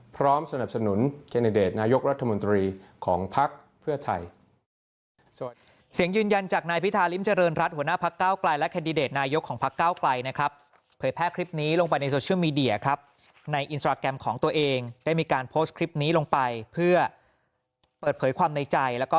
พร้อมสนับสนุนแคนดิเดตนายกรัฐมนตรีของภักดิ์เพื่อไทย